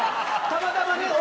たまたまね